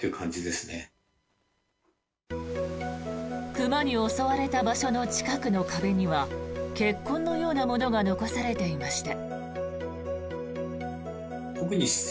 熊に襲われた場所の近くの壁には血痕のようなものが残されていました。